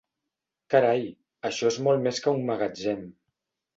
Carai, això és molt més que un magatzem.